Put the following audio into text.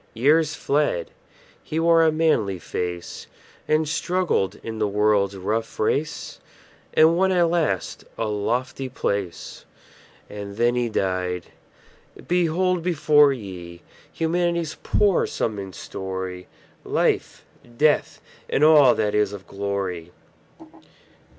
Years fled; he wore a manly face, And struggled in the world's rough race, And won at last a lofty place. And then he died! Behold before ye Humanity's poor sum and story; Life, Death, and all that is of glory.